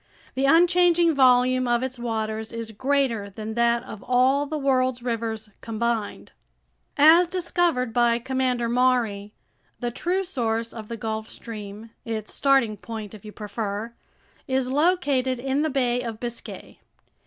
The unchanging volume of its waters is greater than that of all the world's rivers combined. As discovered by Commander Maury, the true source of the Gulf Stream, its starting point, if you prefer, is located in the Bay of Biscay.